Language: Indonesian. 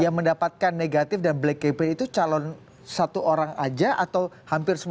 yang mendapatkan negatif dan black campaign itu calon satu orang aja atau hampir semua